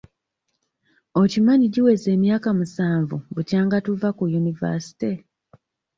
Okimanyi giweze emyaka musanvu bukyanga tuva ku yunivaasite?